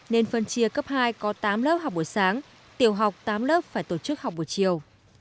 nên phân chia cấp hai có tám lớp học buổi sáng tiểu học tám lớp phải tổ chức học buổi chiều